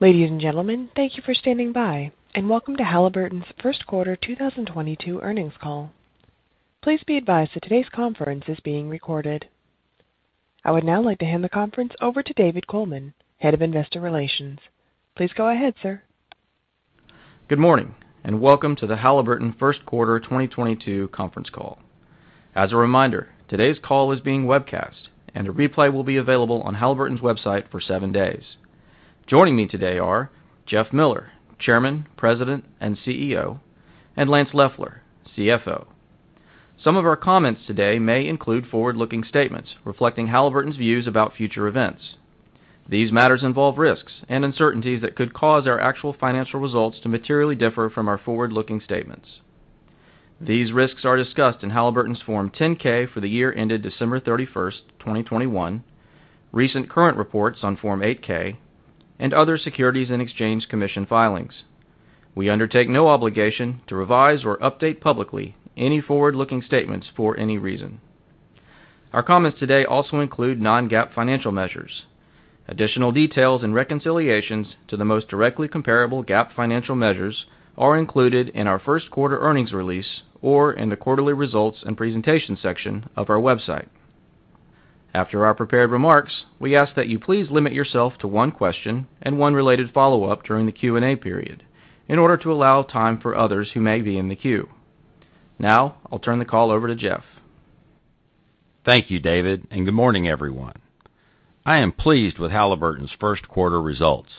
Ladies and gentlemen, thank you for standing by, and welcome to Halliburton's first quarter 2022 earnings call. Please be advised that today's conference is being recorded. I would now like to hand the conference over to David Coleman, Head of Investor Relations. Please go ahead, sir. Good morning, and welcome to the Halliburton first quarter 2022 conference call. As a reminder, today's call is being webcast, and a replay will be available on Halliburton's website for seven days. Joining me today are Jeff Miller, Chairman, President, and CEO, and Lance Loeffler, CFO. Some of our comments today may include forward-looking statements reflecting Halliburton's views about future events. These matters involve risks and uncertainties that could cause our actual financial results to materially differ from our forward-looking statements. These risks are discussed in Halliburton's Form 10-K for the year ended December 31, 2021, recent current reports on Form 8-K, and other Securities and Exchange Commission filings. We undertake no obligation to revise or update publicly any forward-looking statements for any reason. Our comments today also include non-GAAP financial measures. Additional details and reconciliations to the most directly comparable GAAP financial measures are included in our first quarter earnings release or in the quarterly results and presentation section of our website. After our prepared remarks, we ask that you please limit yourself to one question and one related follow-up during the Q&A period in order to allow time for others who may be in the queue. Now, I'll turn the call over to Jeff. Thank you, David, and good morning, everyone. I am pleased with Halliburton's first quarter results.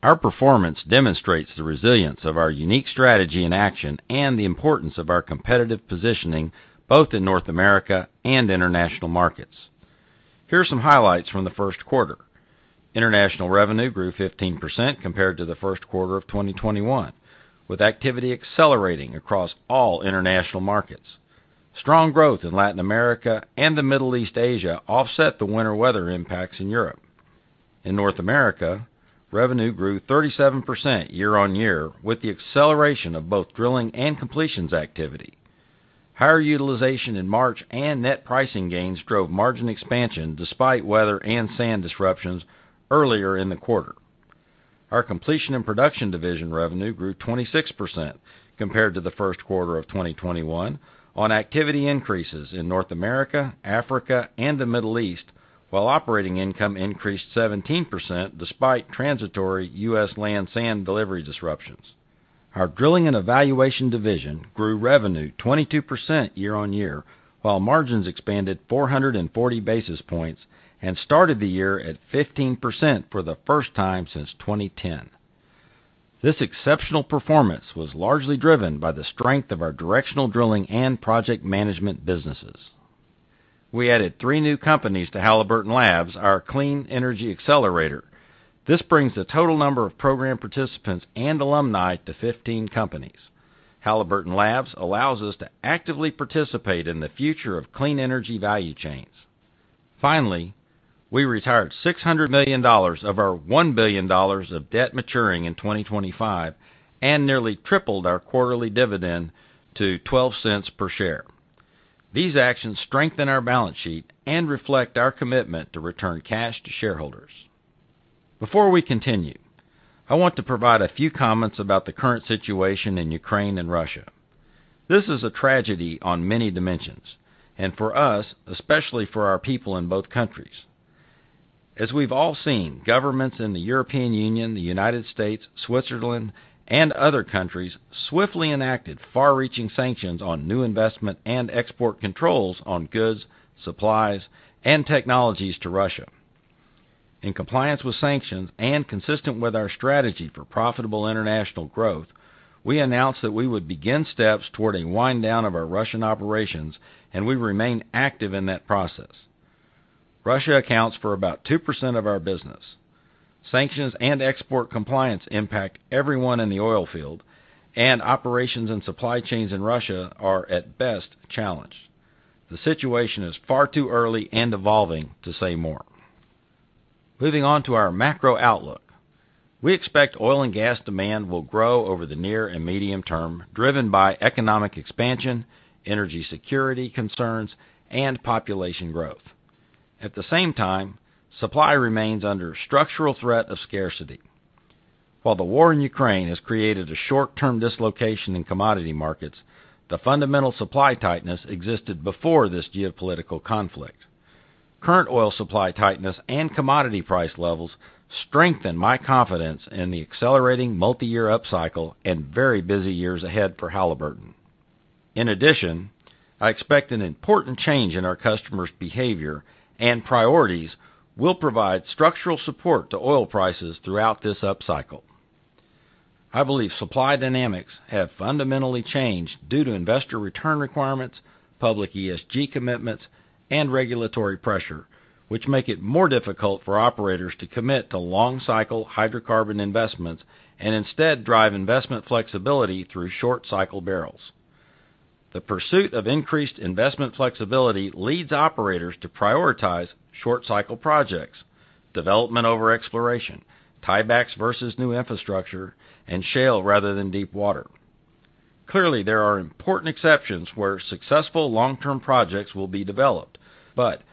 Our performance demonstrates the resilience of our unique strategy in action and the importance of our competitive positioning both in North America and international markets. Here are some highlights from the first quarter. International revenue grew 15% compared to the first quarter of 2021, with activity accelerating across all international markets. Strong growth in Latin America and the Middle East and Asia offset the winter weather impacts in Europe. In North America, revenue grew 37% year-on-year with the acceleration of both drilling and completions activity. Higher utilization in March and net pricing gains drove margin expansion despite weather and sand disruptions earlier in the quarter. Our Completion and Production division revenue grew 26% compared to the first quarter of 2021 on activity increases in North America, Africa, and the Middle East, while operating income increased 17% despite transitory U.S. land sand delivery disruptions. Our Drilling and Evaluation division grew revenue 22% year-on-year, while margins expanded 440 basis points and started the year at 15% for the first time since 2010. This exceptional performance was largely driven by the strength of our directional drilling and project management businesses. We added three new companies to Halliburton Labs, our clean energy accelerator. This brings the total number of program participants and alumni to 15 companies. Halliburton Labs allows us to actively participate in the future of clean energy value chains. Finally, we retired $600 million of our $1 billion of debt maturing in 2025 and nearly tripled our quarterly dividend to $0.12 per share. These actions strengthen our balance sheet and reflect our commitment to return cash to shareholders. Before we continue, I want to provide a few comments about the current situation in Ukraine and Russia. This is a tragedy on many dimensions, and for us, especially for our people in both countries. As we've all seen, governments in the European Union, the United States, Switzerland, and other countries swiftly enacted far-reaching sanctions on new investment and export controls on goods, supplies, and technologies to Russia. In compliance with sanctions and consistent with our strategy for profitable international growth, we announced that we would begin steps toward a wind down of our Russian operations, and we remain active in that process. Russia accounts for about 2% of our business. Sanctions and export compliance impact everyone in the oil field, and operations and supply chains in Russia are at best challenged. The situation is far too early and evolving to say more. Moving on to our macro outlook. We expect oil and gas demand will grow over the near and medium term, driven by economic expansion, energy security concerns, and population growth. At the same time, supply remains under structural threat of scarcity. While the war in Ukraine has created a short-term dislocation in commodity markets, the fundamental supply tightness existed before this geopolitical conflict. Current oil supply tightness and commodity price levels strengthen my confidence in the accelerating multi-year upcycle and very busy years ahead for Halliburton. In addition, I expect an important change in our customers' behavior and priorities will provide structural support to oil prices throughout this upcycle. I believe supply dynamics have fundamentally changed due to investor return requirements, public ESG commitments, and regulatory pressure, which make it more difficult for operators to commit to long-cycle hydrocarbon investments and instead drive investment flexibility through short cycle barrels. The pursuit of increased investment flexibility leads operators to prioritize short cycle projects, development over exploration, tiebacks versus new infrastructure, and shale rather than deep water. Clearly, there are important exceptions where successful long-term projects will be developed.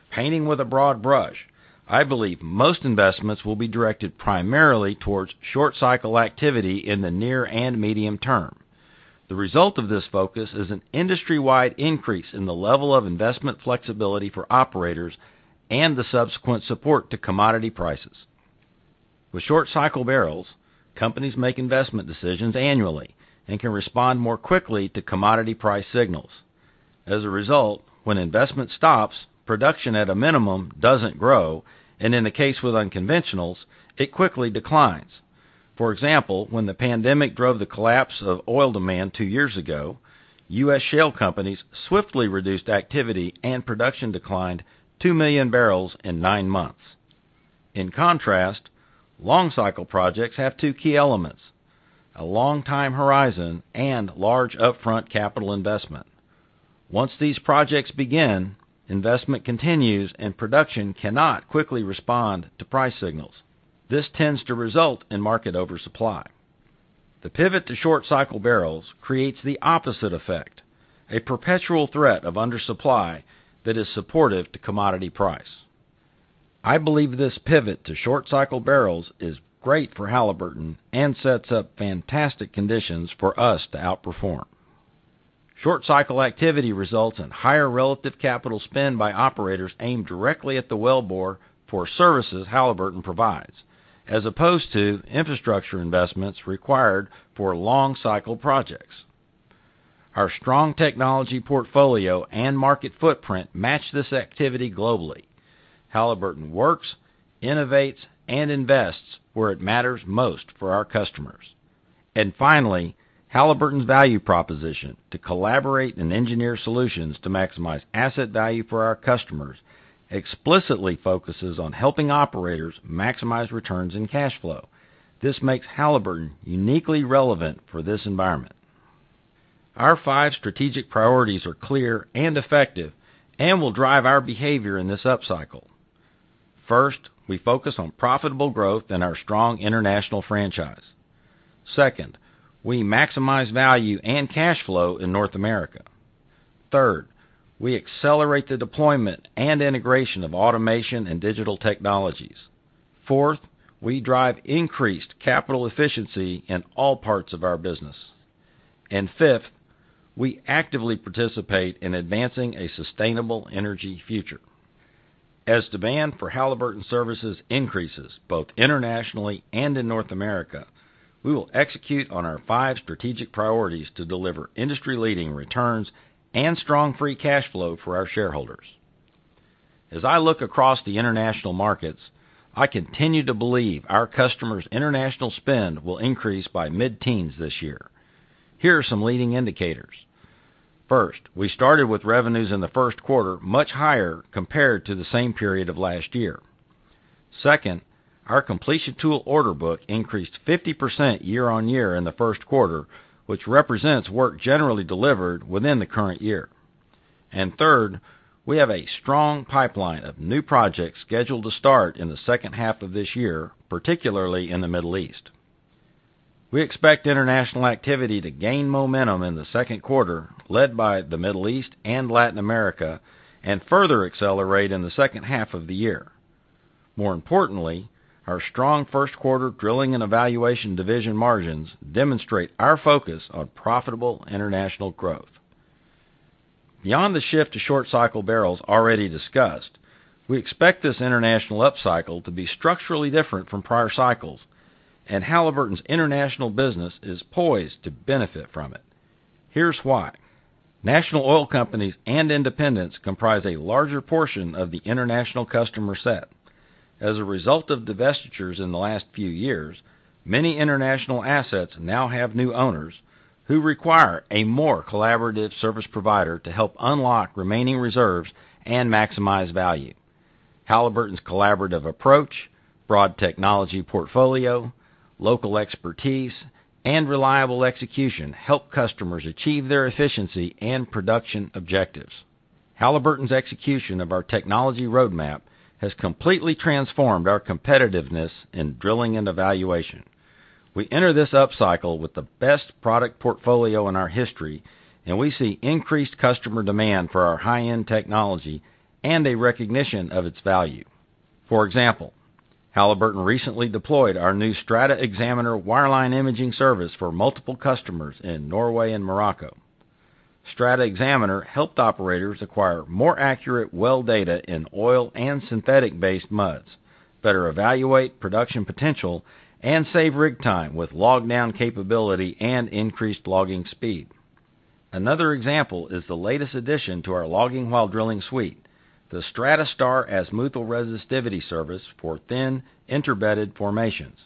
Painting with a broad brush, I believe most investments will be directed primarily towards short cycle activity in the near and medium term. The result of this focus is an industry-wide increase in the level of investment flexibility for operators and the subsequent support to commodity prices. With short cycle barrels, companies make investment decisions annually and can respond more quickly to commodity price signals. As a result, when investment stops, production at a minimum doesn't grow, and in the case with unconventionals, it quickly declines. For example, when the pandemic drove the collapse of oil demand two years ago, U.S. shale companies swiftly reduced activity and production declined 2 million barrels in nine months. In contrast, long cycle projects have two key elements, a long time horizon and large upfront capital investment. Once these projects begin, investment continues and production cannot quickly respond to price signals. This tends to result in market oversupply. The pivot to short cycle barrels creates the opposite effect, a perpetual threat of undersupply that is supportive to commodity price. I believe this pivot to short cycle barrels is great for Halliburton and sets up fantastic conditions for us to outperform. Short cycle activity results in higher relative capital spend by operators aimed directly at the wellbore for services Halliburton provides, as opposed to infrastructure investments required for long cycle projects. Our strong technology portfolio and market footprint match this activity globally. Halliburton works, innovates, and invests where it matters most for our customers. Finally, Halliburton's value proposition to collaborate and engineer solutions to maximize asset value for our customers explicitly focuses on helping operators maximize returns and cash flow. This makes Halliburton uniquely relevant for this environment. Our five strategic priorities are clear and effective and will drive our behavior in this upcycle. First, we focus on profitable growth in our strong international franchise. Second, we maximize value and cash flow in North America. Third, we accelerate the deployment and integration of automation and digital technologies. Fourth, we drive increased capital efficiency in all parts of our business. Fifth, we actively participate in advancing a sustainable energy future. As demand for Halliburton services increases both internationally and in North America, we will execute on our five strategic priorities to deliver industry-leading returns and strong free cash flow for our shareholders. As I look across the international markets, I continue to believe our customers' international spend will increase by mid-teens this year. Here are some leading indicators. First, we started with revenues in the first quarter much higher compared to the same period of last year. Second, our completion tool order book increased 50% year-over-year in the first quarter, which represents work generally delivered within the current year. Third, we have a strong pipeline of new projects scheduled to start in the second half of this year, particularly in the Middle East. We expect international activity to gain momentum in the second quarter, led by the Middle East and Latin America, and further accelerate in the second half of the year. More importantly, our strong first quarter Drilling and Evaluation division margins demonstrate our focus on profitable international growth. Beyond the shift to short cycle barrels already discussed, we expect this international upcycle to be structurally different from prior cycles, and Halliburton's international business is poised to benefit from it. Here's why. National oil companies and independents comprise a larger portion of the international customer set. As a result of divestitures in the last few years, many international assets now have new owners who require a more collaborative service provider to help unlock remaining reserves and maximize value. Halliburton's collaborative approach, broad technology portfolio, local expertise, and reliable execution help customers achieve their efficiency and production objectives. Halliburton's execution of our technology roadmap has completely transformed our competitiveness in Drilling and Evaluation. We enter this upcycle with the best product portfolio in our history, and we see increased customer demand for our high-end technology and a recognition of its value. For example, Halliburton recently deployed our new StrataXaminer wireline imaging service for multiple customers in Norway and Morocco. StrataXaminer helped operators acquire more accurate well data in oil and synthetic-based muds, better evaluate production potential, and save rig time with log down capability and increased logging speed. Another example is the latest addition to our logging while drilling suite, the StrataStar Azimuthal Resistivity service for thin interbedded formations.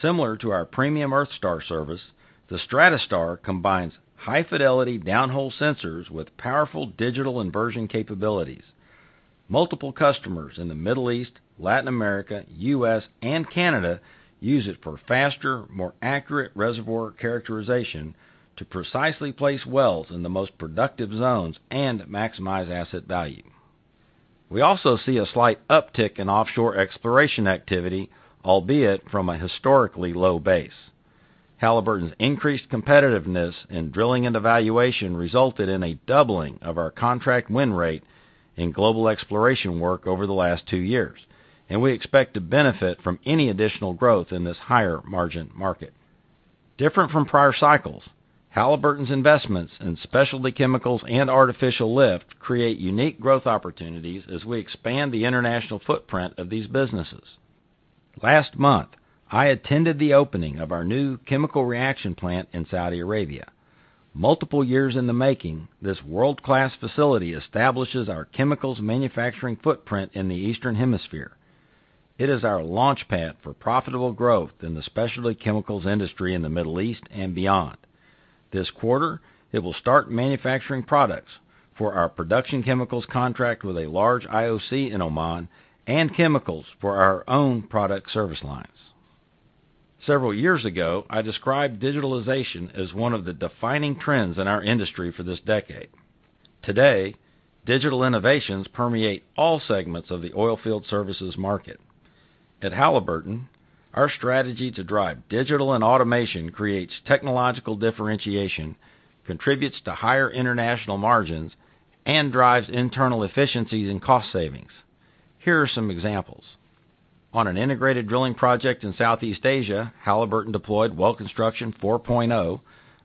Similar to our premium EarthStar service, the StrataStar combines high-fidelity downhole sensors with powerful digital inversion capabilities. Multiple customers in the Middle East, Latin America, U.S., and Canada use it for faster, more accurate reservoir characterization to precisely place wells in the most productive zones and maximize asset value. We also see a slight uptick in offshore exploration activity, albeit from a historically low base. Halliburton's increased competitiveness in Drilling and Evaluation resulted in a doubling of our contract win rate in global exploration work over the last two years, and we expect to benefit from any additional growth in this higher margin market. Different from prior cycles, Halliburton's investments in specialty chemicals and artificial lift create unique growth opportunities as we expand the international footprint of these businesses. Last month, I attended the opening of our new chemical reaction plant in Saudi Arabia. Multiple years in the making, this world-class facility establishes our chemicals manufacturing footprint in the Eastern Hemisphere. It is our launchpad for profitable growth in the specialty chemicals industry in the Middle East and beyond. This quarter, it will start manufacturing products for our production chemicals contract with a large IOC in Oman and chemicals for our own product service lines. Several years ago, I described digitalization as one of the defining trends in our industry for this decade. Today, digital innovations permeate all segments of the oilfield services market. At Halliburton, our strategy to drive digital and automation creates technological differentiation, contributes to higher international margins, and drives internal efficiencies and cost savings. Here are some examples. On an integrated drilling project in Southeast Asia, Halliburton deployed Well Construction 4.0,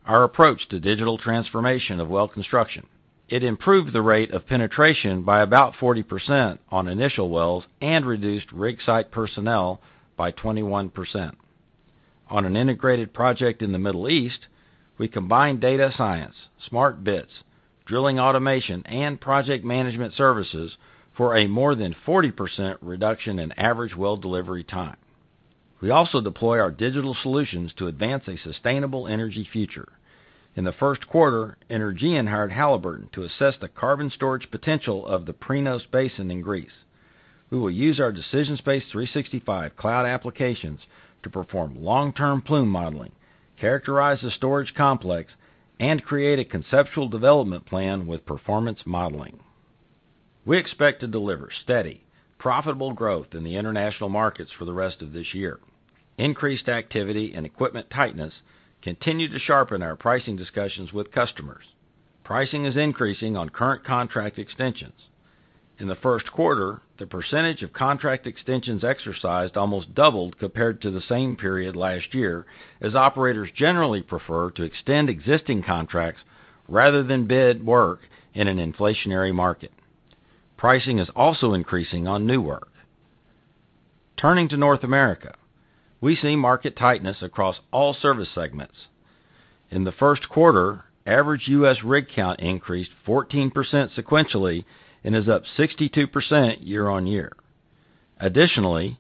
our approach to digital transformation of well construction. It improved the rate of penetration by about 40% on initial wells and reduced rig site personnel by 21%. On an integrated project in the Middle East, we combined data science, smart bits, drilling automation, and project management services for a more than 40% reduction in average well delivery time. We also deploy our digital solutions to advance a sustainable energy future. In the first quarter, Energean hired Halliburton to assess the carbon storage potential of the Prinos Basin in Greece. We will use our DecisionSpace 365 cloud applications to perform long-term plume modeling, characterize the storage complex, and create a conceptual development plan with performance modeling. We expect to deliver steady, profitable growth in the international markets for the rest of this year. Increased activity and equipment tightness continue to sharpen our pricing discussions with customers. Pricing is increasing on current contract extensions. In the first quarter, the percentage of contract extensions exercised almost doubled compared to the same period last year as operators generally prefer to extend existing contracts rather than bid work in an inflationary market. Pricing is also increasing on new work. Turning to North America, we see market tightness across all service segments. In the first quarter, average U.S. rig count increased 14% sequentially and is up 62% year-on-year. Additionally,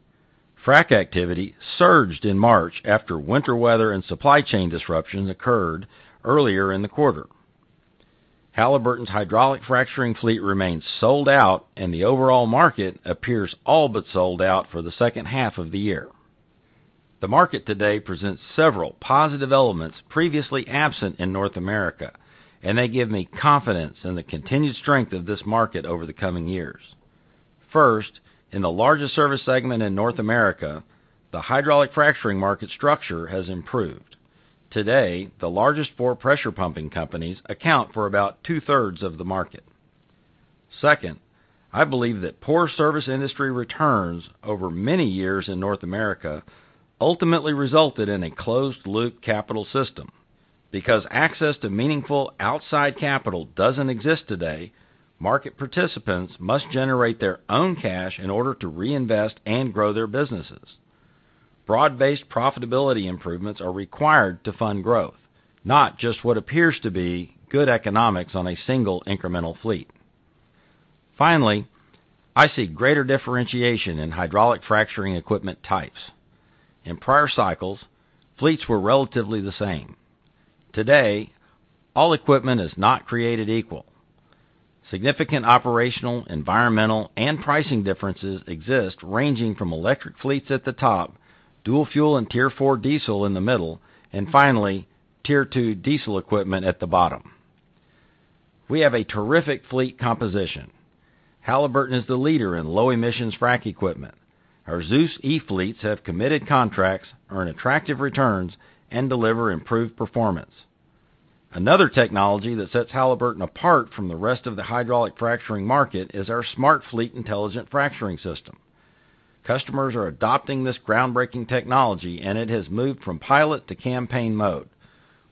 frack activity surged in March after winter weather and supply chain disruptions occurred earlier in the quarter. Halliburton's hydraulic fracturing fleet remains sold out, and the overall market appears all but sold out for the second half of the year. The market today presents several positive elements previously absent in North America, and they give me confidence in the continued strength of this market over the coming years. First, in the largest service segment in North America, the hydraulic fracturing market structure has improved. Today, the largest four pressure pumping companies account for about 2/3 of the market. Second, I believe that poor service industry returns over many years in North America ultimately resulted in a closed-loop capital system. Because access to meaningful outside capital doesn't exist today, market participants must generate their own cash in order to reinvest and grow their businesses. Broad-based profitability improvements are required to fund growth, not just what appears to be good economics on a single incremental fleet. Finally, I see greater differentiation in hydraulic fracturing equipment types. In prior cycles, fleets were relatively the same. Today, all equipment is not created equal. Significant operational, environmental, and pricing differences exist ranging from electric fleets at the top, dual fuel and Tier 4 diesel in the middle, and finally, Tier 2 diesel equipment at the bottom. We have a terrific fleet composition. Halliburton is the leader in low emissions frack equipment. Our Zeus e-fleets have committed contracts, earn attractive returns, and deliver improved performance. Another technology that sets Halliburton apart from the rest of the hydraulic fracturing market is our SmartFleet intelligent fracturing system. Customers are adopting this groundbreaking technology, and it has moved from pilot to campaign mode.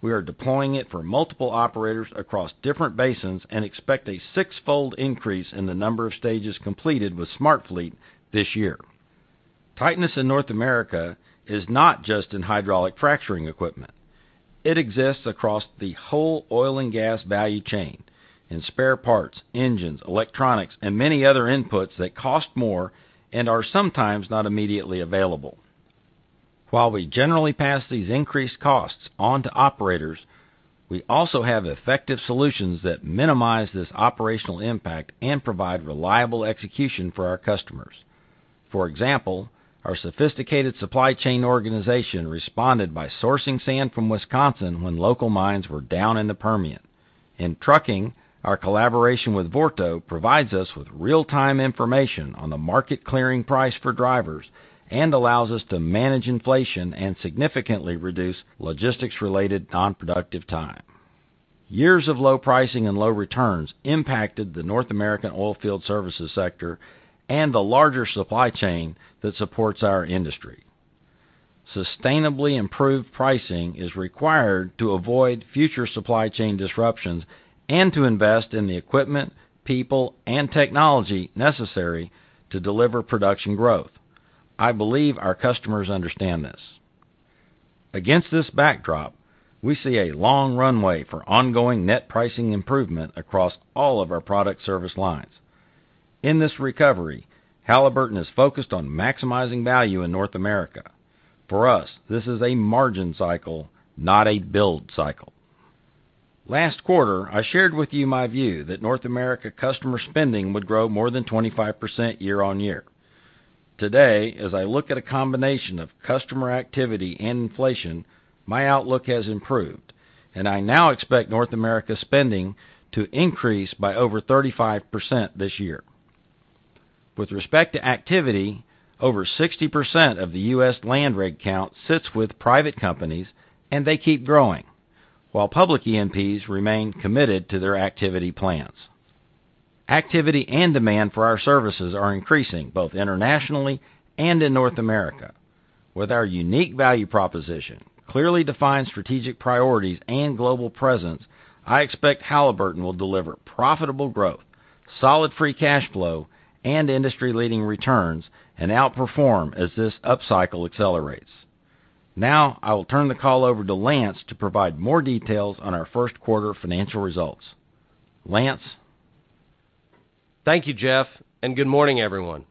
We are deploying it for multiple operators across different basins and expect a six-fold increase in the number of stages completed with SmartFleet this year. Tightness in North America is not just in hydraulic fracturing equipment. It exists across the whole oil and gas value chain in spare parts, engines, electronics, and many other inputs that cost more and are sometimes not immediately available. While we generally pass these increased costs on to operators, we also have effective solutions that minimize this operational impact and provide reliable execution for our customers. For example, our sophisticated supply chain organization responded by sourcing sand from Wisconsin when local mines were down in the Permian. In trucking, our collaboration with Vorto provides us with real-time information on the market clearing price for drivers and allows us to manage inflation and significantly reduce logistics-related non-productive time. Years of low pricing and low returns impacted the North American oilfield services sector and the larger supply chain that supports our industry. Sustainably improved pricing is required to avoid future supply chain disruptions and to invest in the equipment, people, and technology necessary to deliver production growth. I believe our customers understand this. Against this backdrop, we see a long runway for ongoing net pricing improvement across all of our product service lines. In this recovery, Halliburton is focused on maximizing value in North America. For us, this is a margin cycle, not a build cycle. Last quarter, I shared with you my view that North America customer spending would grow more than 25% year-on-year. Today, as I look at a combination of customer activity and inflation, my outlook has improved, and I now expect North America spending to increase by over 35% this year. With respect to activity, over 60% of the U.S. land rig count sits with private companies, and they keep growing. While public E&Ps remain committed to their activity plans, activity and demand for our services are increasing both internationally and in North America. With our unique value proposition, clearly defined strategic priorities and global presence, I expect Halliburton will deliver profitable growth, solid free cash flow, and industry-leading returns and outperform as this upcycle accelerates. Now, I will turn the call over to Lance to provide more details on our first quarter financial results. Lance? Thank you, Jeff, and good morning, everyone.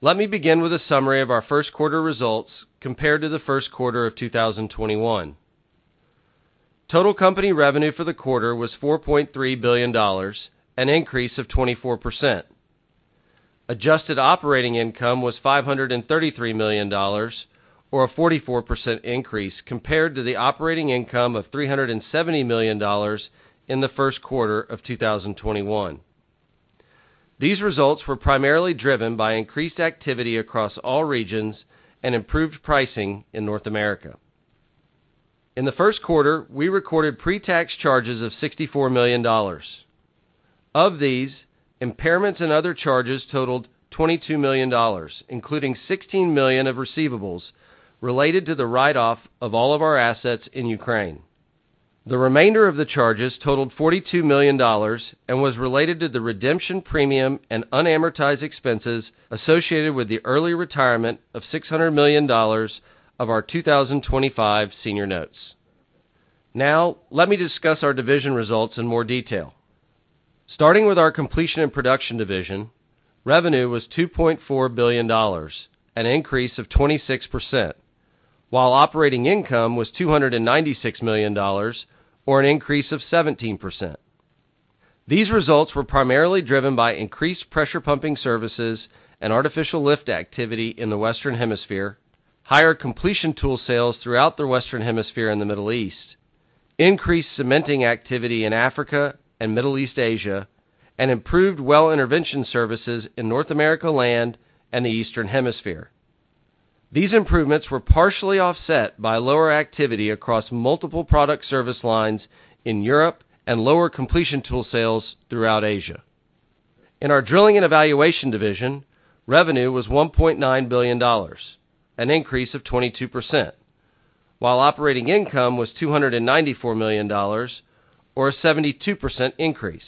Let me begin with a summary of our first quarter results compared to the first quarter of 2021. Total company revenue for the quarter was $4.3 billion, an increase of 24%. Adjusted operating income was $533 million or a 44% increase compared to the operating income of $370 million in the first quarter of 2021. These results were primarily driven by increased activity across all regions and improved pricing in North America. In the first quarter, we recorded pre-tax charges of $64 million. Of these, impairments and other charges totaled $22 million, including $16 million of receivables related to the write-off of all of our assets in Ukraine. The remainder of the charges totaled $42 million and was related to the redemption premium and unamortized expenses associated with the early retirement of $600 million of our 2025 senior notes. Now, let me discuss our division results in more detail. Starting with our Completion and Production Division, revenue was $2.4 billion, an increase of 26%, while operating income was $296 million, or an increase of 17%. These results were primarily driven by increased pressure pumping services and artificial lift activity in the Western Hemisphere, higher completion tool sales throughout the Western Hemisphere and the Middle East, increased cementing activity in Africa and Middle East Asia, and improved well intervention services in North America Land and the Eastern Hemisphere. These improvements were partially offset by lower activity across multiple product service lines in Europe and lower completion tools sales throughout Asia. In our Drilling and Evaluation Division, revenue was $1.9 billion, an increase of 22%, while operating income was $294 million, or a 72% increase.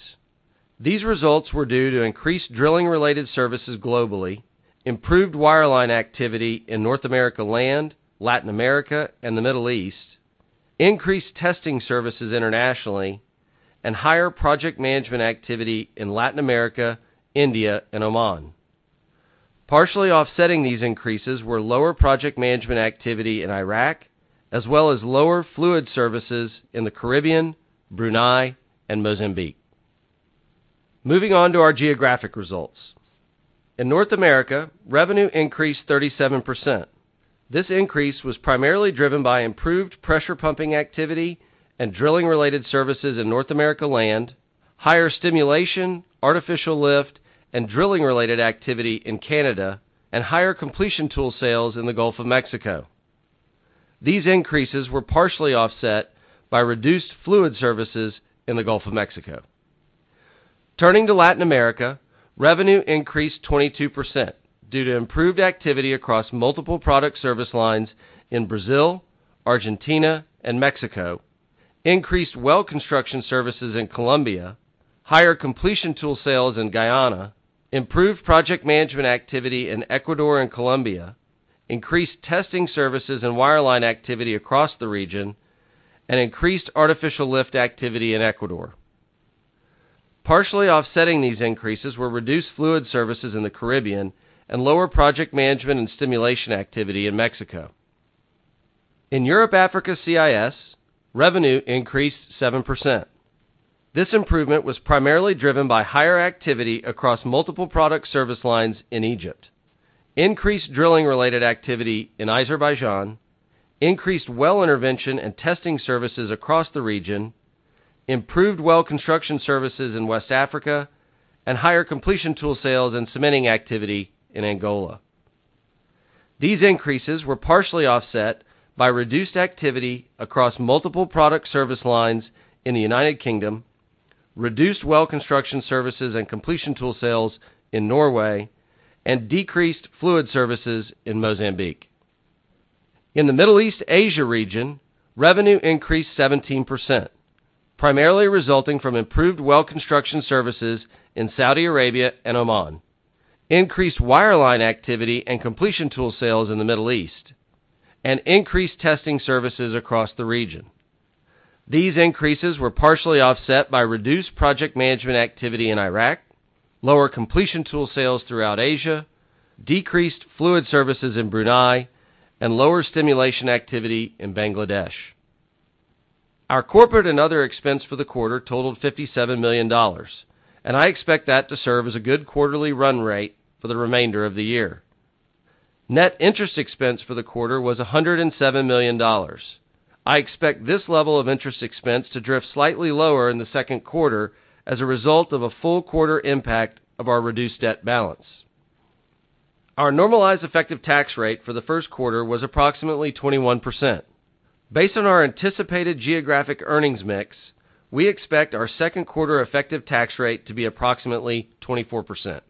These results were due to increased drilling related services globally, improved wireline activity in North America Land, Latin America, and the Middle East, increased testing services internationally and higher project management activity in Latin America, India and Oman. Partially offsetting these increases were lower project management activity in Iraq, as well as lower fluid services in the Caribbean, Brunei and Mozambique. Moving on to our geographic results. In North America, revenue increased 37%. This increase was primarily driven by improved pressure pumping activity and drilling related services in North America Land, higher stimulation, artificial lift and drilling related activity in Canada, and higher completion tool sales in the Gulf of Mexico. These increases were partially offset by reduced fluid services in the Gulf of Mexico. Turning to Latin America, revenue increased 22% due to improved activity across multiple product service lines in Brazil, Argentina and Mexico, increased well construction services in Colombia, higher completion tool sales in Guyana, improved project management activity in Ecuador and Colombia, increased testing services and wireline activity across the region, and increased artificial lift activity in Ecuador. Partially offsetting these increases were reduced fluid services in the Caribbean and lower project management and stimulation activity in Mexico. In Europe, Africa, CIS, revenue increased 7%. This improvement was primarily driven by higher activity across multiple product service lines in Egypt, increased drilling-related activity in Azerbaijan, increased well intervention and testing services across the region, improved well construction services in West Africa, and higher completion tool sales and cementing activity in Angola. These increases were partially offset by reduced activity across multiple product service lines in the United Kingdom, reduced well construction services and completion tool sales in Norway, and decreased fluid services in Mozambique. In the Middle East, Asia region, revenue increased 17%, primarily resulting from improved well construction services in Saudi Arabia and Oman, increased wireline activity and completion tool sales in the Middle East, and increased testing services across the region. These increases were partially offset by reduced project management activity in Iraq, lower completion tool sales throughout Asia, decreased fluid services in Brunei, and lower stimulation activity in Bangladesh. Our corporate and other expense for the quarter totaled $57 million, and I expect that to serve as a good quarterly run rate for the remainder of the year. Net interest expense for the quarter was $107 million. I expect this level of interest expense to drift slightly lower in the second quarter as a result of a full quarter impact of our reduced debt balance. Our normalized effective tax rate for the first quarter was approximately 21%. Based on our anticipated geographic earnings mix, we expect our second quarter effective tax rate to be approximately 24%.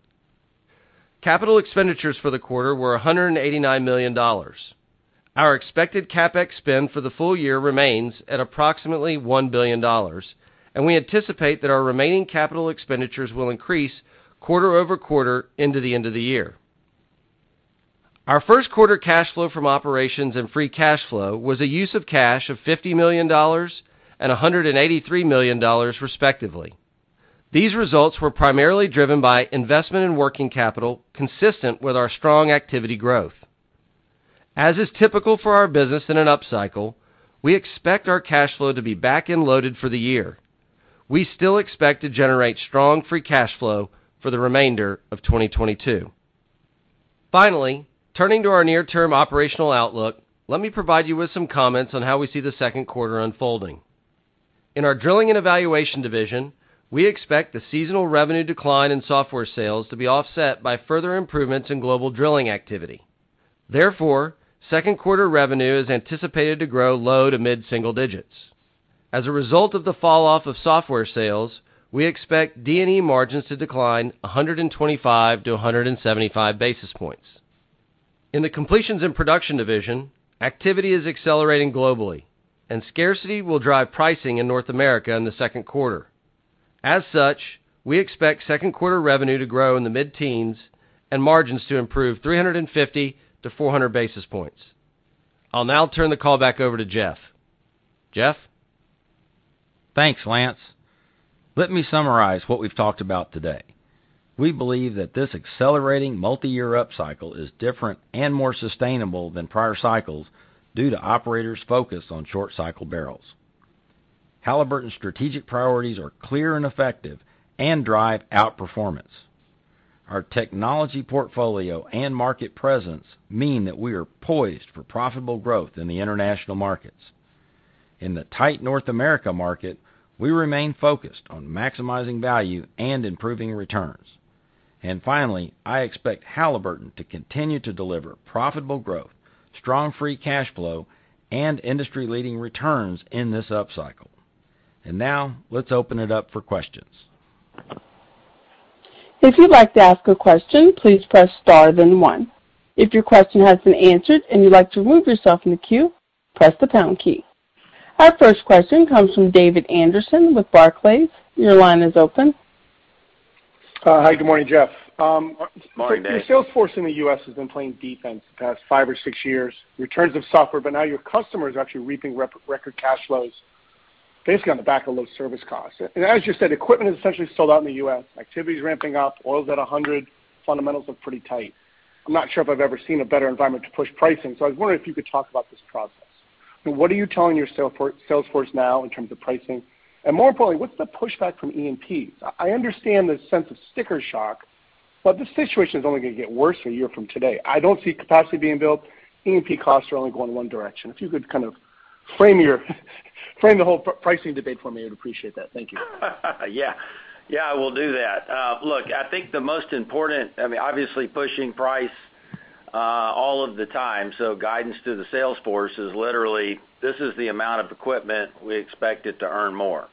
Capital expenditures for the quarter were $189 million. Our expected CapEx spend for the full year remains at approximately $1 billion, and we anticipate that our remaining capital expenditures will increase quarter-over-quarter into the end of the year. Our first quarter cash flow from operations and free cash flow was a use of cash of $50 million and $183 million, respectively. These results were primarily driven by investment in working capital consistent with our strong activity growth. As is typical for our business in an upcycle, we expect our cash flow to be back-end loaded for the year. We still expect to generate strong free cash flow for the remainder of 2022. Finally, turning to our near-term operational outlook, let me provide you with some comments on how we see the second quarter unfolding. In our Drilling and Evaluation division, we expect the seasonal revenue decline in software sales to be offset by further improvements in global drilling activity. Therefore, second quarter revenue is anticipated to grow low- to mid-single digits%. As a result of the fall off of software sales, we expect D&E margins to decline 125-175 basis points. In the completions and production division, activity is accelerating globally, and scarcity will drive pricing in North America in the second quarter. As such, we expect second quarter revenue to grow in the mid-teens and margins to improve 350-400 basis points. I'll now turn the call back over to Jeff. Jeff? Thanks, Lance. Let me summarize what we've talked about today. We believe that this accelerating multi-year upcycle is different and more sustainable than prior cycles due to operators' focus on short cycle barrels. Halliburton's strategic priorities are clear and effective and drive outperformance. Our technology portfolio and market presence mean that we are poised for profitable growth in the international markets. In the tight North America market, we remain focused on maximizing value and improving returns. Finally, I expect Halliburton to continue to deliver profitable growth, strong free cash flow, and industry-leading returns in this upcycle. Now, let's open it up for questions. If you'd like to ask a question, please press star, then one. If your question has been answered and you'd like to remove yourself from the queue, press the pound key. Our first question comes from J. David Anderson with Barclays. Your line is open. Hi, good morning, Jeff. Morning, Dave. Your sales force in the U.S. has been playing defense the past five or six years. Returns have suffered, but now your customer is actually reaping record cash flows, basically on the back of low service costs. As you said, equipment is essentially sold out in the U.S. Activity is ramping up. Oil's at $100. Fundamentals look pretty tight. I'm not sure if I've ever seen a better environment to push pricing, so I was wondering if you could talk about this process. What are you telling your sales force now in terms of pricing? And more importantly, what's the pushback from E&P? I understand the sense of sticker shock, but the situation's only gonna get worse a year from today. I don't see capacity being built. E&P costs are only going in one direction. If you could kind of frame the whole pricing debate for me, I'd appreciate that. Thank you. Yeah. Yeah, we'll do that. Look, I think the most important, I mean, obviously pushing price all of the time, so guidance to the sales force is literally, "This is the amount of equipment. We expect it to earn more."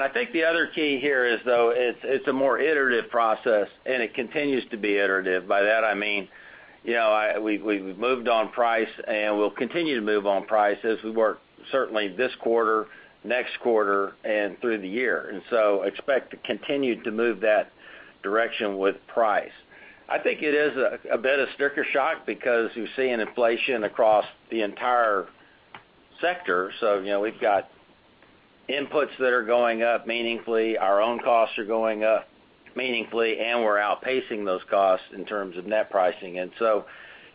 I think the other key here is, though, it's a more iterative process, and it continues to be iterative. By that, I mean, you know, we've moved on price, and we'll continue to move on price as we work, certainly this quarter, next quarter, and through the year. Expect to continue to move that direction with price. I think it is a bit of sticker shock because you're seeing inflation across the entire sector. You know, we've got inputs that are going up meaningfully. Our own costs are going up meaningfully, and we're outpacing those costs in terms of net pricing.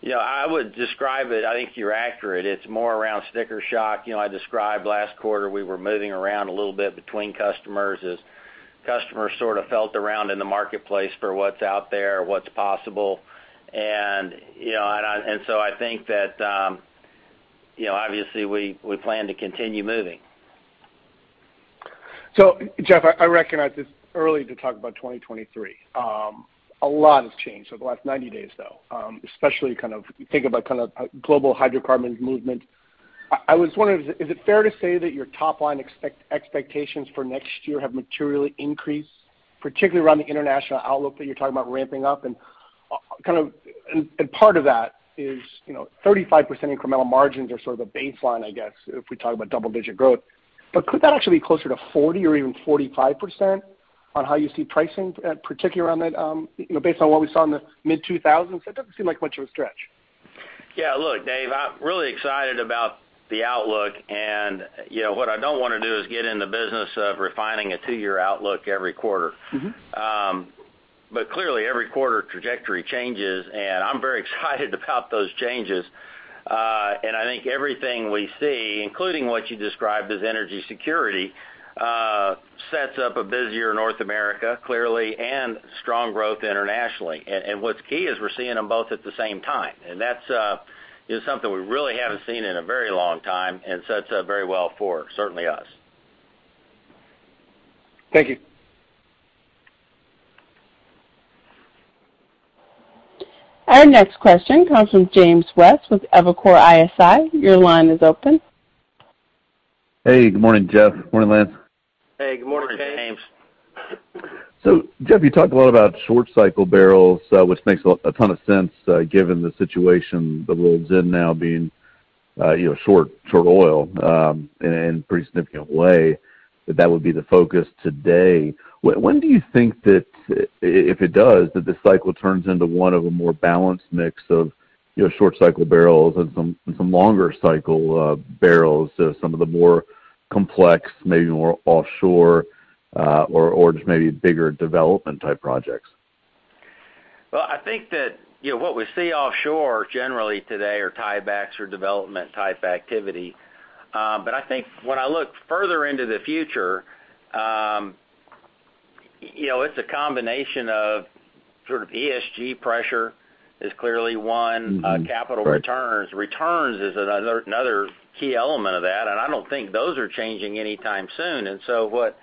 You know, I would describe it. I think you're accurate. It's more around sticker shock. You know, I described last quarter, we were moving around a little bit between customers as customers sort of felt around in the marketplace for what's out there, what's possible. You know, I think that, you know, obviously, we plan to continue moving. Jeff, I recognize it's early to talk about 2023. A lot has changed over the last 90 days, though, especially kind of if you think about kind of global hydrocarbon movement. I was wondering, is it fair to say that your top line expectations for next year have materially increased, particularly around the international outlook that you're talking about ramping up? And part of that is, you know, 35% incremental margins are sort of a baseline, I guess, if we talk about double-digit growth. But could that actually be closer to 40 or even 45% on how you see pricing, particularly around that, you know, based on what we saw in the mid-2000s? That doesn't seem like much of a stretch. Yeah. Look, Dave, I'm really excited about the outlook. You know, what I don't wanna do is get in the business of refining a two-year outlook every quarter. Mm-hmm. Clearly, every quarter trajectory changes, and I'm very excited about those changes. I think everything we see, including what you described as energy security, sets up a busier North America, clearly, and strong growth internationally. What's key is we're seeing them both at the same time. That's something we really haven't seen in a very long time and sets up very well for us certainly. Thank you. Our next question comes from James West with Evercore ISI. Your line is open. Hey, good morning, Jeff. Morning, Lance. Hey, good morning, James. Jeff, you talked a lot about short cycle barrels, which makes a ton of sense, given the situation the world's in now being, you know, short oil, in a pretty significant way, that would be the focus today. When do you think that, if it does, that this cycle turns into one of a more balanced mix of, you know, short cycle barrels and some longer cycle barrels, some of the more complex, maybe more offshore, or just maybe bigger development type projects? Well, I think that, you know, what we see offshore generally today are tiebacks or development-type activity. I think when I look further into the future, you know, it's a combination of sort of ESG pressure is clearly one. Mm-hmm. Right. Capital returns. Returns is another key element of that, and I don't think those are changing anytime soon. What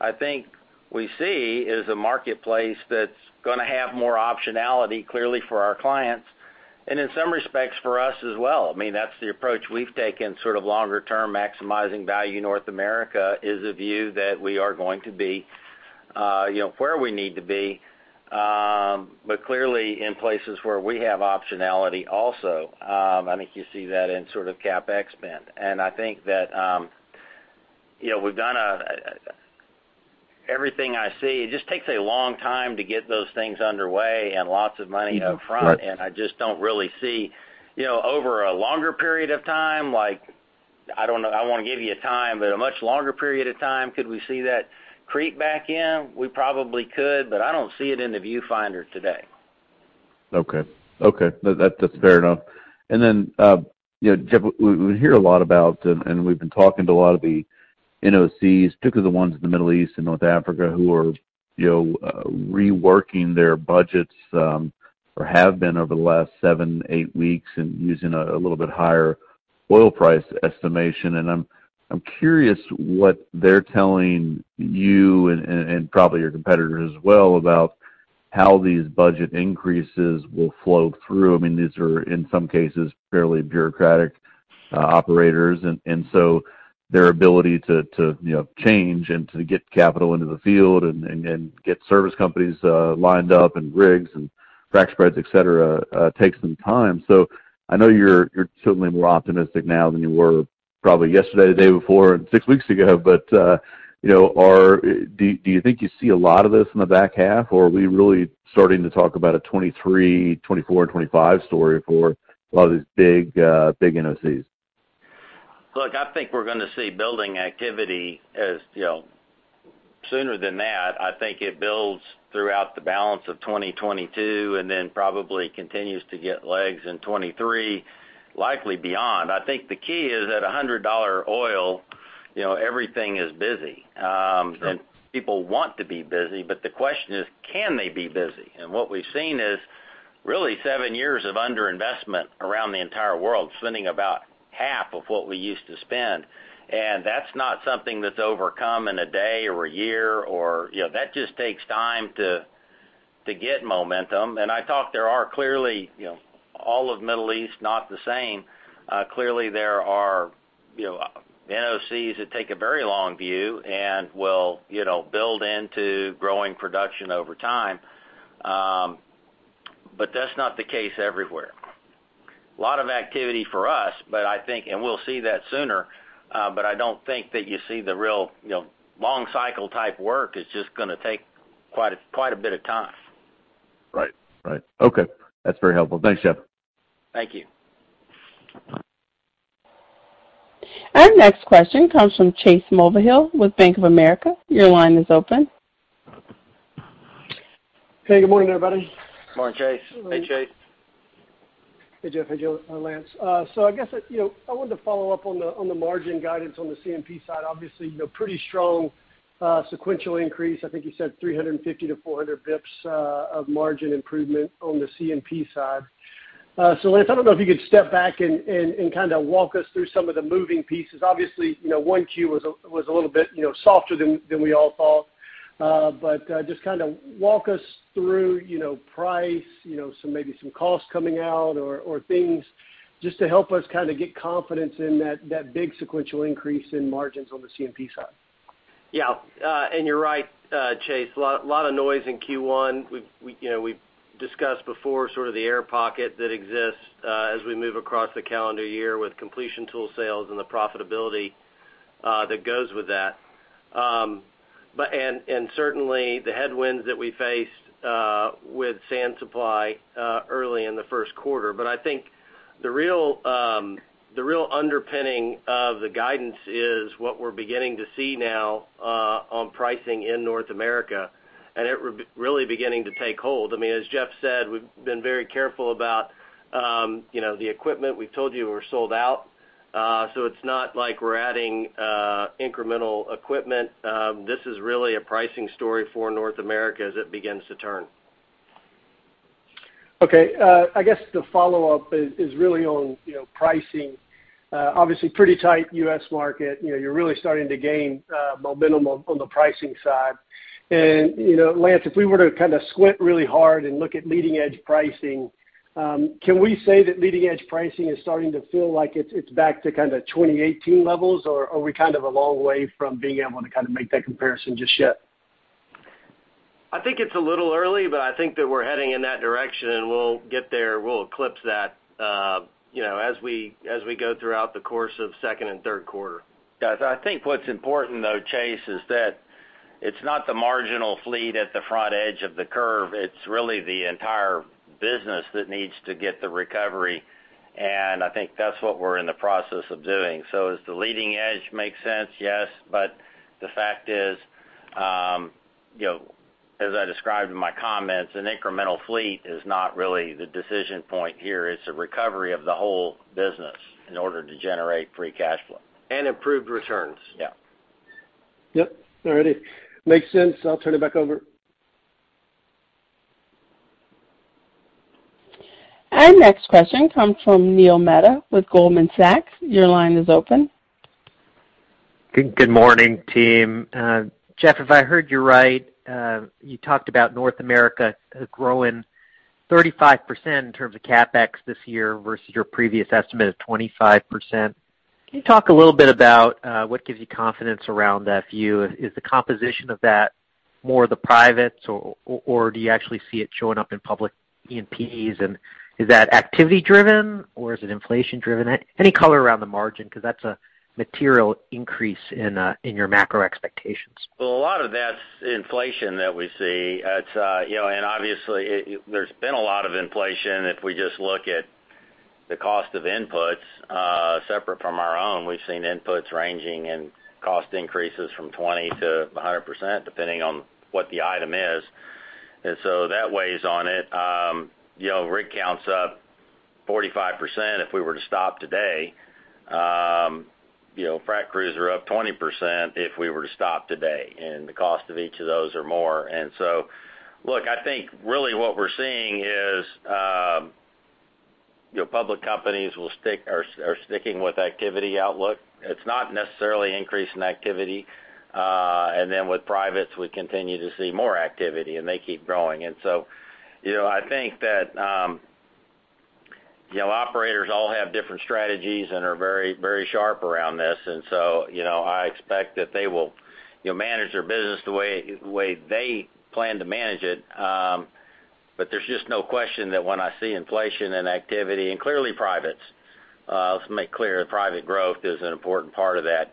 I think we see is a marketplace that's gonna have more optionality, clearly for our clients, and in some respects for us as well. I mean, that's the approach we've taken, sort of longer term maximizing value. North America is a view that we are going to be, you know, where we need to be. Clearly in places where we have optionality also, I think you see that in sort of CapEx spend. I think that, you know, everything I see, it just takes a long time to get those things underway and lots of money up front. Right. I just don't really see. You know, over a longer period of time, like, I don't know, I don't wanna give you a time, but a much longer period of time, could we see that creep back in? We probably could, but I don't see it in the viewfinder today. Okay. That's fair enough. Then, you know, Jeff, we hear a lot about, and we've been talking to a lot of the NOCs, particularly the ones in the Middle East and North Africa who are, you know, reworking their budgets, or have been over the last seven, eight weeks and using a little bit higher oil price estimation. I'm curious what they're telling you and and probably your competitors as well about how these budget increases will flow through. I mean, these are, in some cases, fairly bureaucratic operators. Their ability to, you know, change and to get capital into the field and get service companies lined up and rigs and frac spreads, et cetera, takes some time. I know you're certainly more optimistic now than you were probably yesterday, the day before, and six weeks ago. You know, do you think you see a lot of this in the back half, or are we really starting to talk about a 2023, 2024, and 2025 story for a lot of these big NOCs? Look, I think we're gonna see building activity as, you know, sooner than that. I think it builds throughout the balance of 2022 and then probably continues to get legs in 2023, likely beyond. I think the key is at $100 oil, you know, everything is busy. Sure. People want to be busy, but the question is, can they be busy? What we've seen is really seven years of underinvestment around the entire world, spending about half of what we used to spend. That's not something that's overcome in a day or a year. You know, that just takes time to get momentum. I thought there are clearly, you know, all of Middle East, not the same. Clearly,a there are, you know, NOCs that take a very long view and will, you know, build into growing production over time. But that's not the case everywhere. A lot of activity for us, but I think we'll see that sooner, but I don't think that you see the real, you know, long cycle type work. It's just gonna take quite a bit of time. Right. Okay. That's very helpful. Thanks, Jeff. Thank you. Our next question comes from Chase Mulvehill with Bank of America. Your line is open. Hey, good morning, everybody. Morning, Chase. Hey, Chase. Hey, Jeff. Hey, Joe, Lance. I guess, you know, I wanted to follow up on the margin guidance on the C&P side. Obviously, you know, pretty strong sequential increase. I think you said 350-400 basis points of margin improvement on the C&P side. Lance, I don't know if you could step back and kind of walk us through some of the moving pieces. Obviously, you know, one Q was a little bit, you know, softer than we all thought. Just kind of walk us through, you know, price, you know, maybe some costs coming out or things, just to help us kind of get confidence in that big sequential increase in margins on the C&P side. Yeah. You're right, Chase, a lot of noise in Q1. We've you know discussed before sort of the air pocket that exists as we move across the calendar year with completion tool sales and the profitability that goes with that. Certainly, the headwinds that we faced with sand supply early in the first quarter. I think the real underpinning of the guidance is what we're beginning to see now on pricing in North America, and it's really beginning to take hold. I mean, as Jeff said, we've been very careful about, you know, the equipment. We've told you we're sold out, so it's not like we're adding incremental equipment. This is really a pricing story for North America as it begins to turn. Okay. I guess the follow-up is really on, you know, pricing. Obviously, pretty tight U.S. market. You know, you're really starting to gain momentum on the pricing side. You know, Lance, if we were to kind of squint really hard and look at leading edge pricing, can we say that leading edge pricing is starting to feel like it's back to kind of 2018 levels, or are we kind of a long way from being able to kind of make that comparison just yet? I think it's a little early, but I think that we're heading in that direction, and we'll get there. We'll eclipse that, you know, as we go throughout the course of second and third quarter. Yeah. I think what's important though, Chase, is that it's not the marginal fleet at the front edge of the curve, it's really the entire business that needs to get the recovery. I think that's what we're in the process of doing. Does the leading edge make sense? Yes. The fact is, you know, as I described in my comments, an incremental fleet is not really the decision point here. It's a recovery of the whole business in order to generate free cash flow. Improved returns. Yeah. Yep. All righty. Makes sense. I'll turn it back over. Our next question comes from Neil Mehta with Goldman Sachs. Your line is open. Good morning, team. Jeff, if I heard you right, you talked about North America growing 35% in terms of CapEx this year versus your previous estimate of 25%. Can you talk a little bit about what gives you confidence around that view? Is the composition of that more the privates or do you actually see it showing up in public E&Ps? Is that activity driven or is it inflation driven? Any color around the margin because that's a material increase in your macro expectations. Well, a lot of that's inflation that we see. It's, you know, and obviously there's been a lot of inflation if we just look at the cost of inputs, separate from our own. We've seen inputs ranging and cost increases from 20%-100%, depending on what the item is. That weighs on it. You know, rig count's up 45% if we were to stop today. You know, frac crews are up 20% if we were to stop today, and the cost of each of those are more. Look, I think really what we're seeing is, you know, public companies are sticking with activity outlook. It's not necessarily increase in activity. With privates, we continue to see more activity and they keep growing. you know, I think that, you know, operators all have different strategies and are very sharp around this. you know, I expect that they will, you know, manage their business the way they plan to manage it. but there's just no question that when I see inflation and activity and clearly privates, let's make clear the private growth is an important part of that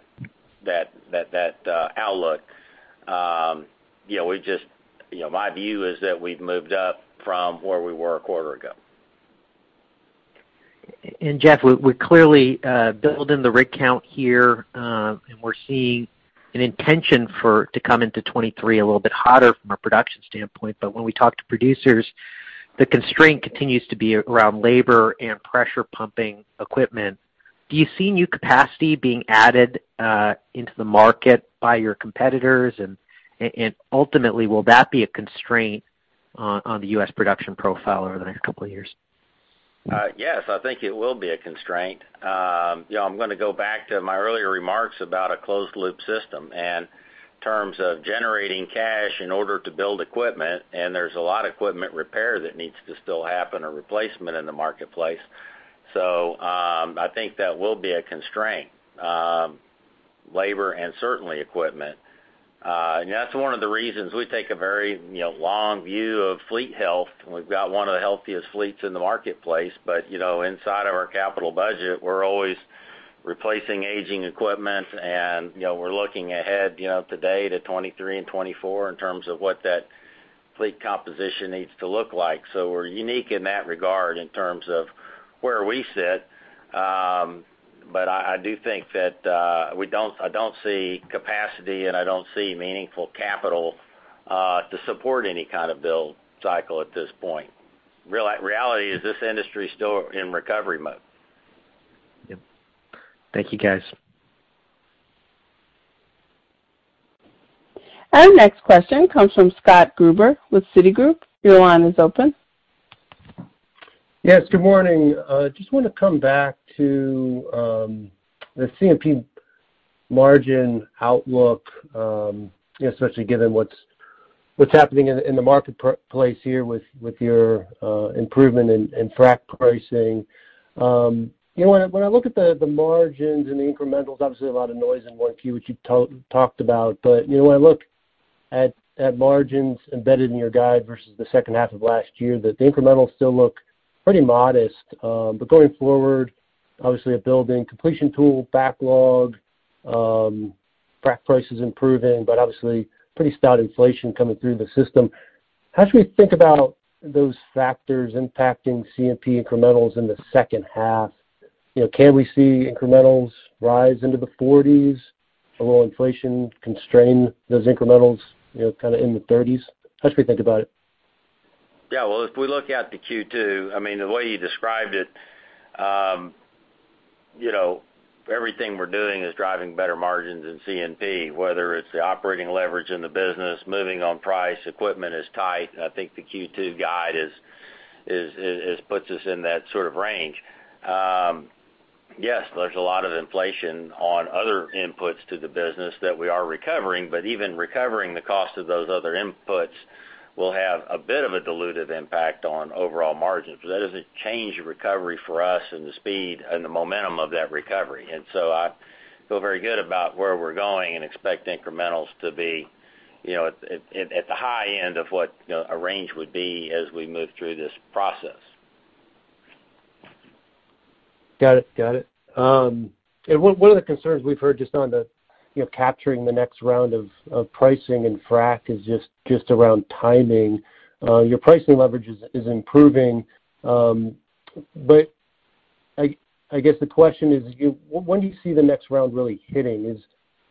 outlook. you know, my view is that we've moved up from where we were a quarter ago. Jeff, we clearly build in the rig count here, and we're seeing an intention to come into 2023 a little bit hotter from a production standpoint. When we talk to producers, the constraint continues to be around labor and pressure pumping equipment. Do you see new capacity being added into the market by your competitors? Ultimately, will that be a constraint on the U.S. production profile over the next couple of years? Yes, I think it will be a constraint. You know, I'm gonna go back to my earlier remarks about a closed loop system in terms of generating cash in order to build equipment, and there's a lot of equipment repair that needs to still happen or replacement in the marketplace. I think that will be a constraint, labor and certainly equipment. That's one of the reasons we take a very, you know, long view of fleet health. We've got one of the healthiest fleets in the marketplace. You know, inside of our capital budget, we're always replacing aging equipment and, you know, we're looking ahead, you know, today to 2023 and 2024 in terms of what that fleet composition needs to look like. We're unique in that regard in terms of where we sit. I do think that I don't see capacity, and I don't see meaningful capital to support any kind of build cycle at this point. Reality is this industry is still in recovery mode. Yep. Thank you, guys. Our next question comes from Scott Gruber with Citigroup. Your line is open. Yes, good morning. Just wanna come back to the C&P margin outlook, especially given what's happening in the marketplace here with your improvement in frack pricing. You know, when I look at the margins and the incrementals, obviously a lot of noise in 1Q, which you talked about. You know, when I look at margins embedded in your guide versus the second half of last year, the incrementals still look pretty modest. Going forward, obviously a building completion tool backlog, frack prices improving, but obviously pretty stout inflation coming through the system. How should we think about those factors impacting C&P incrementals in the second half? You know, can we see incrementals rise into the forties? Or will inflation constrain those incrementals, you know, kind of in the thirties? How should we think about it? Yeah. Well, if we look at the Q2, I mean, the way you described it, you know, everything we're doing is driving better margins in C&P, whether it's the operating leverage in the business, moving on price, equipment is tight. I think the Q2 guide puts us in that sort of range. Yes, there's a lot of inflation on other inputs to the business that we are recovering, but even recovering the cost of those other inputs will have a bit of a dilutive impact on overall margins, but that doesn't change the recovery for us and the speed and the momentum of that recovery. I feel very good about where we're going and expect incrementals to be, you know, at the high end of what, you know, a range would be as we move through this process. Got it. One of the concerns we've heard just on the, you know, capturing the next round of pricing and frack is just around timing. Your pricing leverage is improving, but I guess the question is, when do you see the next round really hitting?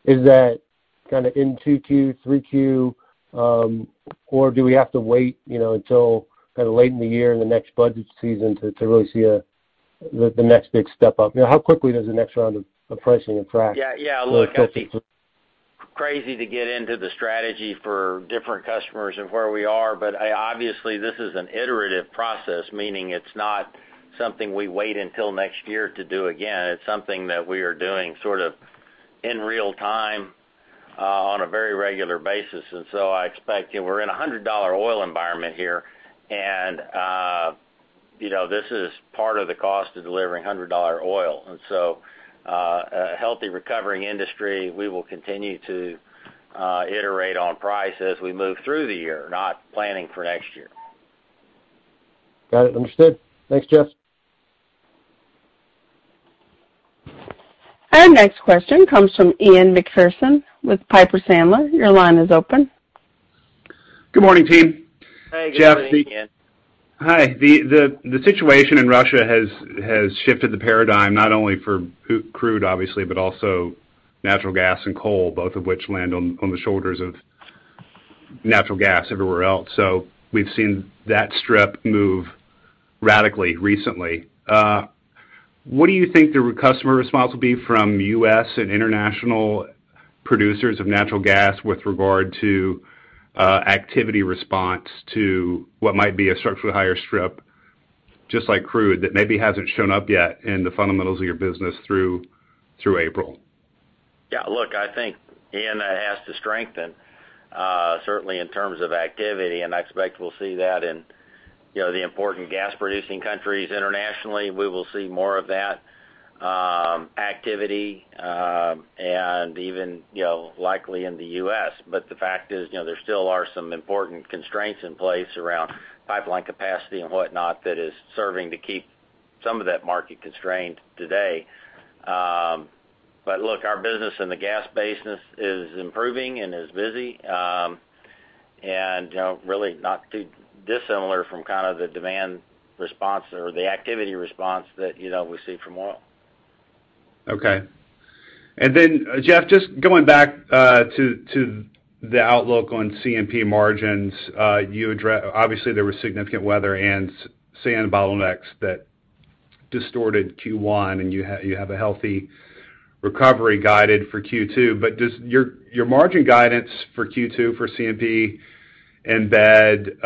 Is that kind of in 2Q, 3Q, or do we have to wait, you know, until kind of late in the year in the next budget season to really see the next big step up? You know, how quickly does the next round of pricing and frack Yeah, yeah. Look, I'd be- affect the Crazy to get into the strategy for different customers and where we are, but obviously, this is an iterative process, meaning it's not something we wait until next year to do again. It's something that we are doing sort of in real time, on a very regular basis. I expect, you know, we're in a $100 oil environment here, and, you know, this is part of the cost of delivering $100 oil. A healthy recovering industry, we will continue to iterate on price as we move through the year, not planning for next year. Got it. Understood. Thanks, Jeff. Our next question comes from Ian Macpherson with Piper Sandler. Your line is open. Good morning, team. Hey. Good morning, Ian. Jeff. Hi. The situation in Russia has shifted the paradigm not only for crude, obviously, but also natural gas and coal, both of which land on the shoulders of natural gas everywhere else. We've seen that strip move radically recently. What do you think the customer response will be from U.S. and international producers of natural gas with regard to activity response to what might be a structurally higher strip, just like crude, that maybe hasn't shown up yet in the fundamentals of your business through April? Yeah. Look, I think, Ian, it has to strengthen certainly in terms of activity, and I expect we'll see that in, you know, the important gas-producing countries internationally. We will see more of that activity, and even, you know, likely in the U.S. The fact is, you know, there still are some important constraints in place around pipeline capacity and whatnot that is serving to keep some of that market constrained today. Look, our business in the gas business is improving and is busy, and, you know, really not too dissimilar from kind of the demand response or the activity response that, you know, we see from oil. Okay. Jeff, just going back to the outlook on C&P margins, obviously there was significant weather and sand bottlenecks that distorted Q1, and you have a healthy recovery guided for Q2. Does your margin guidance for Q2 for C&P embed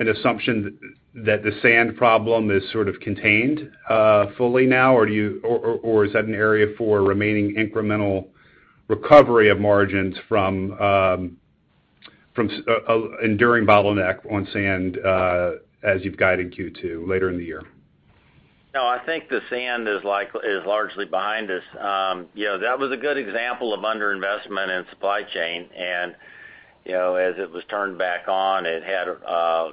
an assumption that the sand problem is sort of contained fully now? Or is that an area for remaining incremental recovery of margins from enduring bottleneck on sand as you've guided Q2 later in the year? No, I think the sand is largely behind us. You know, that was a good example of under-investment in supply chain. You know, as it was turned back on, it had,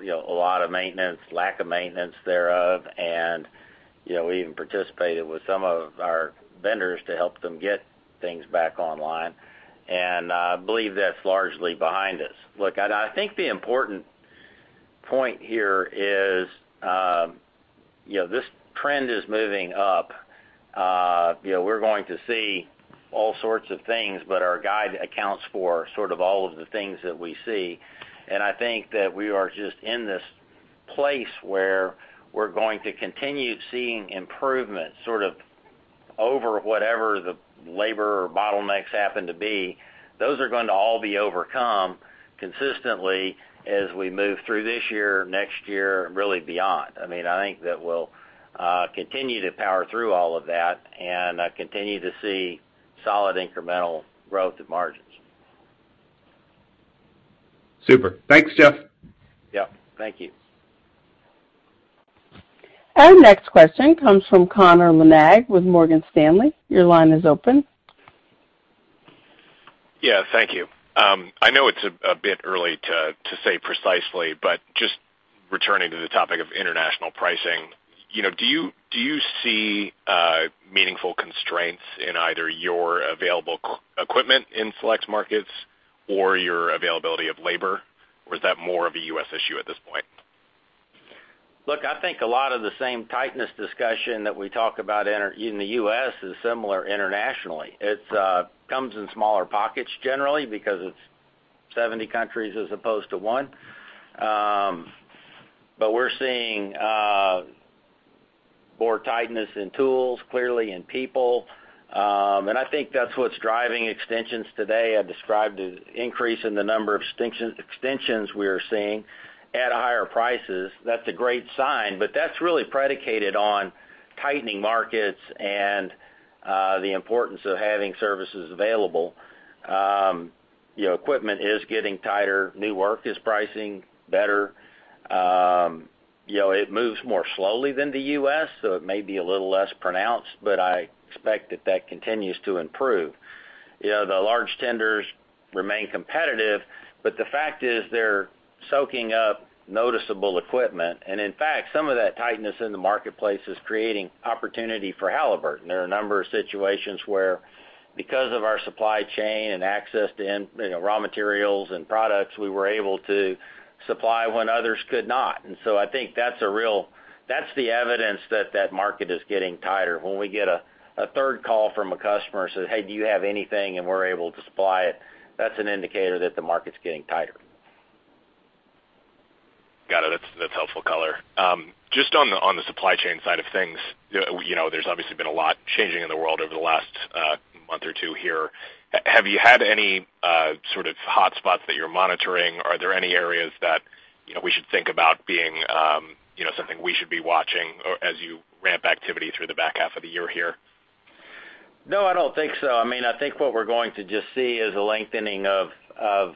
you know, a lot of maintenance, lack of maintenance thereof. You know, we even participated with some of our vendors to help them get things back online, and believe that's largely behind us. Look, I think the important point here is, you know, this trend is moving up. You know, we're going to see all sorts of things, but our guide accounts for sort of all of the things that we see. I think that we are just in this place where we're going to continue seeing improvement, sort of over whatever the labor or bottlenecks happen to be. Those are going to all be overcome consistently as we move through this year, next year, and really beyond. I mean, I think that we'll continue to power through all of that and continue to see solid incremental growth of margins. Super. Thanks, Jeff. Yep. Thank you. Our next question comes from Connor Lynagh with Morgan Stanley. Your line is open. Yeah. Thank you. I know it's a bit early to say precisely, but just returning to the topic of international pricing, you know, do you see meaningful constraints in either your available equipment in select markets or your availability of labor, or is that more of a U.S. issue at this point? Look, I think a lot of the same tightness discussion that we talk about in the U.S. is similar internationally. It comes in smaller pockets generally because it's 70 countries as opposed to one. We're seeing more tightness in tools, clearly in people, and I think that's what's driving extensions today. I described the increase in the number of extensions we are seeing at higher prices. That's a great sign, but that's really predicated on tightening markets and the importance of having services available. You know, equipment is getting tighter. New work is pricing better. You know, it moves more slowly than the U.S., so it may be a little less pronounced, but I expect that continues to improve. You know, the large tenders remain competitive, but the fact is they're soaking up noticeable equipment. In fact, some of that tightness in the marketplace is creating opportunity for Halliburton. There are a number of situations where, because of our supply chain and access to in, you know, raw materials and products, we were able to supply when others could not. I think that's the evidence that that market is getting tighter. When we get a third call from a customer saying, "Hey, do you have anything?" We're able to supply it, that's an indicator that the market's getting tighter. Got it. That's helpful color. Just on the supply chain side of things, you know, there's obviously been a lot changing in the world over the last month or two here. Have you had any sort of hotspots that you're monitoring? Are there any areas that, you know, we should think about being something we should be watching or as you ramp activity through the back half of the year here? No, I don't think so. I mean, I think what we're going to just see is a lengthening of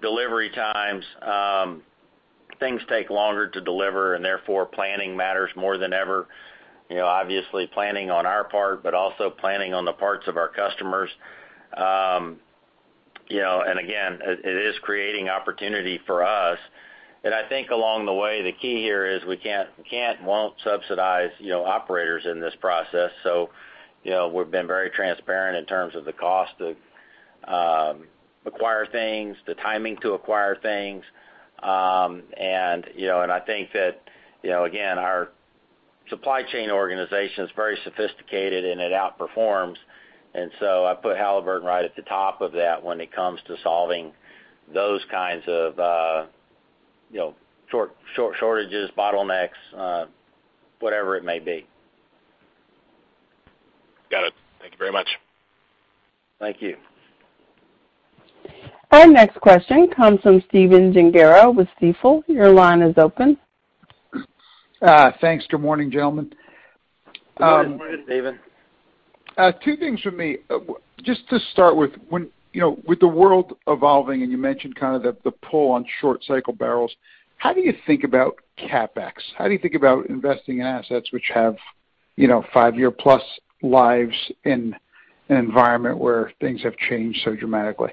delivery times. Things take longer to deliver and therefore planning matters more than ever. You know, obviously planning on our part, but also planning on the parts of our customers. You know, and again, it is creating opportunity for us. I think along the way, the key here is we won't subsidize, you know, operators in this process. You know, we've been very transparent in terms of the cost to acquire things, the timing to acquire things. You know, and I think that, you know, again, our supply chain organization is very sophisticated, and it outperforms. I put Halliburton right at the top of that when it comes to solving those kinds of, you know, short shortages, bottlenecks, whatever it may be. Got it. Thank you very much. Thank you. Our next question comes from Stephen Gengaro with Stifel. Your line is open. Thanks. Good morning, gentlemen. Good morning, Stephen. Two things from me. Just to start with, when, you know, with the world evolving, and you mentioned kind of the pull on short cycle barrels, how do you think about CapEx? How do you think about investing in assets which have, you know, 5-year+ lives in an environment where things have changed so dramatically?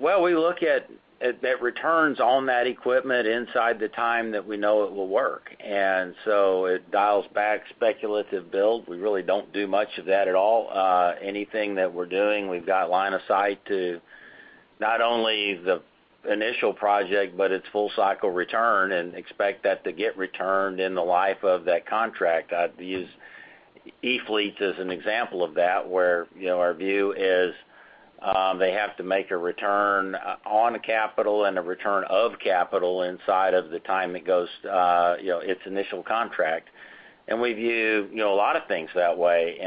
Well, we look at the returns on that equipment inside the time that we know it will work, and so it dials back speculative build. We really don't do much of that at all. Anything that we're doing, we've got line of sight to not only the initial project but its full cycle return and expect that to get returned in the life of that contract. I'd use e-fleets as an example of that, where, you know, our view is, they have to make a return on capital and a return of capital inside of the time it goes, you know, its initial contract. We view, you know, a lot of things that way.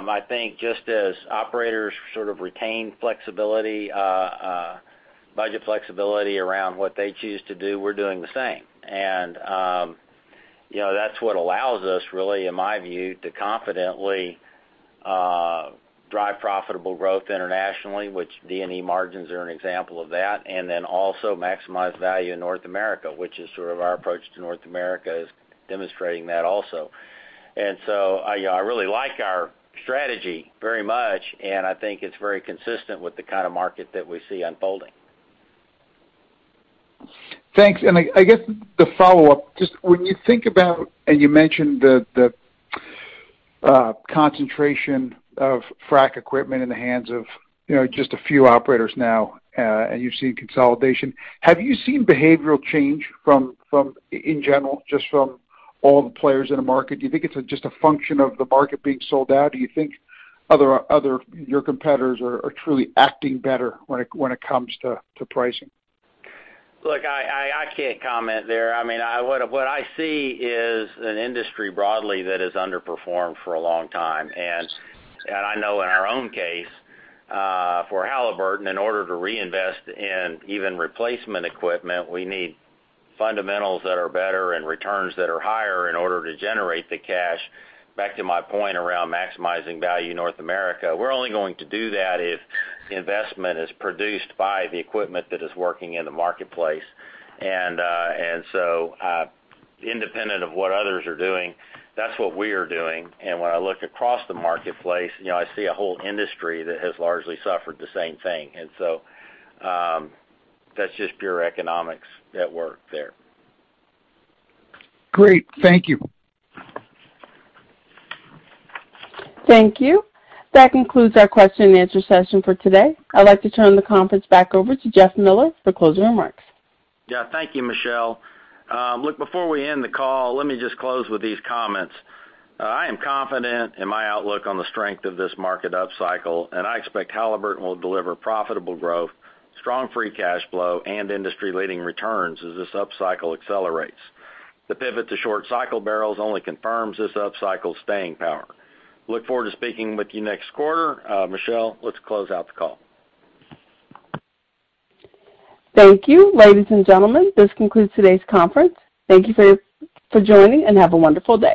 I think just as operators sort of retain flexibility, budget flexibility around what they choose to do, we're doing the same. You know, that's what allows us really, in my view, to confidently drive profitable growth internationally, which D&E margins are an example of that, and then also maximize value in North America, which is sort of our approach to North America is demonstrating that also. I, you know, I really like our strategy very much, and I think it's very consistent with the kind of market that we see unfolding. Thanks. I guess the follow-up, just when you think about, and you mentioned the concentration of frack equipment in the hands of, you know, just a few operators now, and you've seen consolidation. Have you seen behavioral change from in general, just from all the players in the market? Do you think it's just a function of the market being sold out? Do you think other your competitors are truly acting better when it comes to pricing? Look, I can't comment there. I mean, what I see is an industry broadly that has underperformed for a long time. I know in our own case, for Halliburton, in order to reinvest in even replacement equipment, we need fundamentals that are better and returns that are higher in order to generate the cash. Back to my point around maximizing value in North America, we're only going to do that if investment is produced by the equipment that is working in the marketplace. Independent of what others are doing, that's what we are doing. When I look across the marketplace, you know, I see a whole industry that has largely suffered the same thing. That's just pure economics at work there. Great. Thank you. Thank you. That concludes our question and answer session for today. I'd like to turn the conference back over to Jeff Miller for closing remarks. Yeah, thank you, Michelle. Look, before we end the call, let me just close with these comments. I am confident in my outlook on the strength of this market upcycle, and I expect Halliburton will deliver profitable growth, strong free cash flow, and industry-leading returns as this upcycle accelerates. The pivot to short cycle barrels only confirms this upcycle staying power. I look forward to speaking with you next quarter. Michelle, let's close out the call. Thank you. Ladies and gentlemen, this concludes today's conference. Thank you for joining, and have a wonderful day.